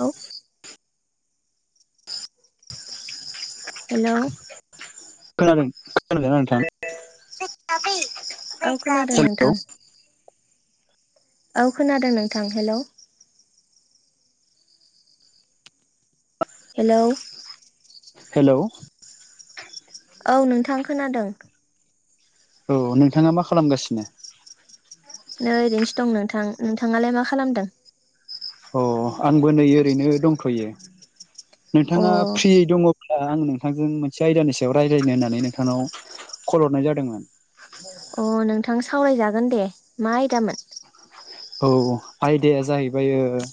औ हेल' खोनादों खोनादोंना नोंथां औ [unintelligible] खोनादों [unintelligible] हेल' नोंथां औ खोनादों नोंथां हेल' हेलौ हेलौ औ नोंथां खोनादों। औ नोंथाङा मा खालामगासिनो? नै ओरैनोसो दं नोंथां नोंथाङालाय मा खालामदों? अ आंबो नै ओरैनो दंथ'यो अ नोंथाङा फ्रि दङ ओ आं नोंथांजों मोनसे आयदानि सायाव रायज्लायनो होननानै नोंथांनाव खल हरनाय जादोंमोन। अ नोंथां सावरायजागोन दे मा आयदामोन औ आयदाया जाहैबाय ओ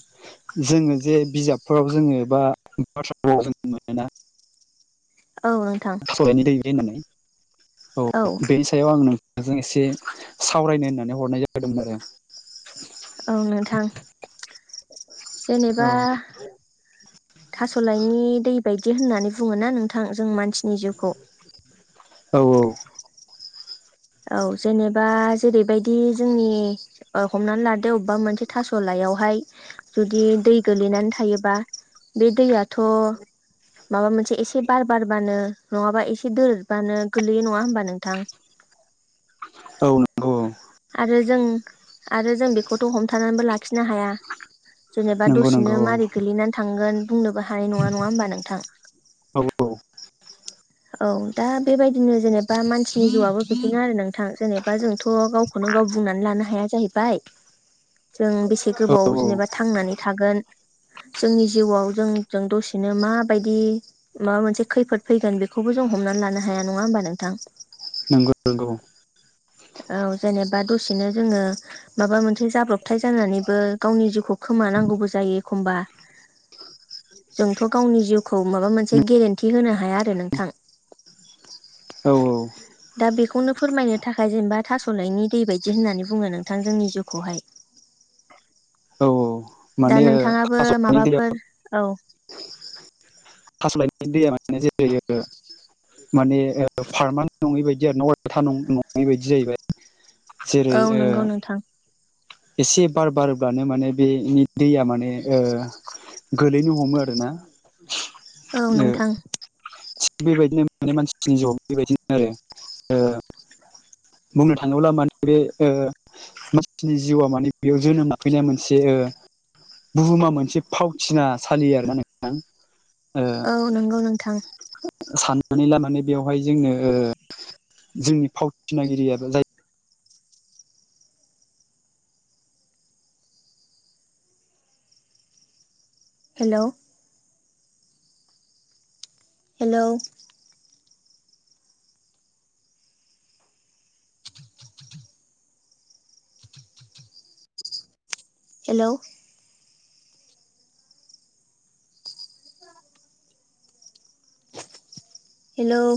जोंनो जे बिजाबफोराव जों बा बाथ्राफोराव जो मोनोना औ नोंथां थास'नायनि दै बे होननानै औ बेनि सायाव आं नों नोंथांजों एसे सावरायनो होननानै हरनाय जादोंमोन आरो औ नोंथां आरो जेनेबा थास'लायनि दै बायदि होननानै बुङ ना नोंथां जों मानसि औ औ औ जेनेबा जेरैबायदि जोंनि ओ हमनानै लादो अबेबा मोनसे थास' लायावहाय हाय जुदि दै गोलैनानै थायोबा बे दैयाथ' माबा मोनसे एसे बार बारबानो नङाबा एसे दोरदबानो गोलैयो नङा होमबा नोंथां औ नंगौ औ आरो जों आरो जों बेखौथ' हमथानानैबो लाखिनो हाया जेनेबा नंगौ नंगौ दसेनो मारै गोलैनानै थांगोन बुंनोबो हानाय नङा नङा होमबा नोंथां औ औ औ दा बेबायदिनो जेनेबा मानसिनि जिउआबो बिदिनो आरो नोंथां जेने बा जोंथ' गावखौनो गाव बुंनानै लानो हाया जाहैबाय [unintelligible] जों बेसे औ गोबाव औ औ जेनेबा थांनानै थागोन जोंनि जिउआव जों जों दसेनो माबायदि माबा मोनसे खैफोद फैगोन बेखौ बेखौबो जों हमनानै लानो हाया नङा होमबा नोंथां नंगौ नंगौ औ जेनेबा दसेनो जों माबा मोनसे जाब्रबथाय जानानैबो गावनि जिउखौ खोमानांगौबो जायो एखमबा जोंथ' गावनि जिउखौ माबा मोनसे गेरेन्थि होनो हाया आरो नों थां औ दा बेखौनो फोरमायनो थाखाय जेनबा थास'नायनि दै बायदि होननानै बुङो नोंथां जोंनि जिउखौहाय औ औ दा माने नोंथाङाबो थासनायनि माबाफोर दैयाव औ थास'लायनायनि दैया माने जेरै ओ माने फार्मान नङि बायदि आरो न अथा नङै बायदि जाहैबाय जेरै औ नंगौ नोंथां एसे बार बारोब्लानो माने बेनि दैया माने ओ गोलैनो हमो आरोना औ ओ नोंथां थिग बेबायदिनो मे मानसिनि जिउआव बेबायदिनो आरो ओ बुंनो थाङोब्ला मान बे ओ मानसिनि जिउआ माने बेयाव जोनोम लाफैनाय मोनसे ओ बुहुमा मोनसे फावथिनासाालि आरो माथां औ नंगौ नोंथां साननानैला मानै बेवहाय जोंङनो जोंनि फावथिनागिरियाबो जाय हेल' हेल' [unintelligible] हेलौ हेलौ